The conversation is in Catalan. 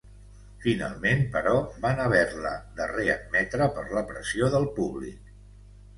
Finalment, però, van haver-la de readmetre per la pressió del públic.